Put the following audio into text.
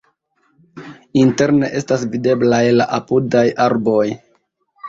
Interne estas videblaj la apudaj arboj.